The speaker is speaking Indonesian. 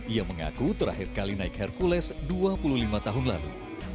ia mengaku terakhir kali naik hercules dua puluh lima tahun lalu